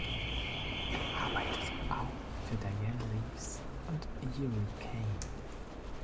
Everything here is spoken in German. Er arbeitete auch für Dianne Reeves und Uri Caine.